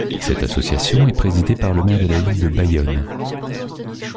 Cette association est présidée par le maire de la ville de Bayonne.